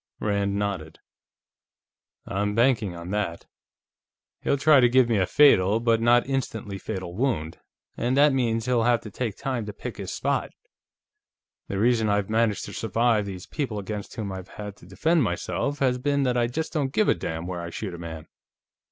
Rand nodded. "I'm banking on that. He'll try to give me a fatal but not instantly fatal wound, and that means he'll have to take time to pick his spot. The reason I've managed to survive these people against whom I've had to defend myself has been that I just don't give a damn where I shoot a man.